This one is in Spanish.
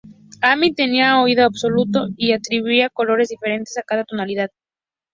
Amy tenía oído absoluto y atribuía colores diferentes a cada tonalidad.